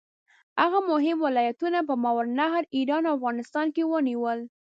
هغه مهم ولایتونه په ماوراالنهر، ایران او افغانستان کې ونیول.